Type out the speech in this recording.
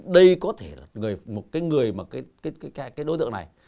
đây có thể là một cái người mà cái đối tượng này